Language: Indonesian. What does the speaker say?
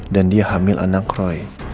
dan dia hamil anak roy